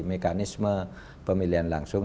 mekanisme pemilihan langsung